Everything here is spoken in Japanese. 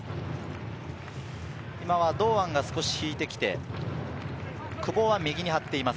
今は堂安が少し引いてきて、久保は右に張っています。